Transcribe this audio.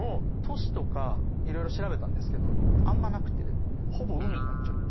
都市とか色々調べたんですけどあんまなくてほぼ海になっちゃう。